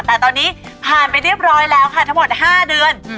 แต่ตอนนี้ผ่านไปเรียบร้อยแล้วค่ะทั้งหมด๕เดือน